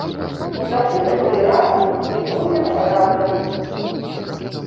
Мы заўсёды былі разам і будзем разам.